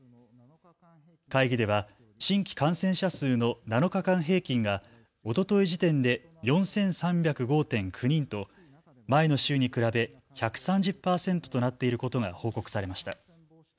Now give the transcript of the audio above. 会議では新規感染者数の７日間平均がおととい時点で４３０５．９人と前の週に比べて１３０％となっていることが報告されました。